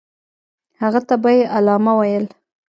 هغه ته به یې علامه ویل.